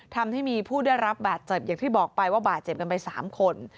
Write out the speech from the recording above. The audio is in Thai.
ทำให้มีผู้ได้รับบาดเจ็บอย่างที่บอกไปว่าบาดเจ็บกันไป๓คน